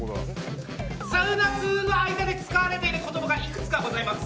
サウナ通の間で使われている用語がいくつかございます。